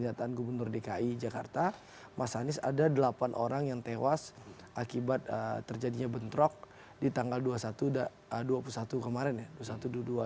pernyataan gubernur dki jakarta mas anies ada delapan orang yang tewas akibat terjadinya bentrok di tanggal dua puluh satu kemarin ya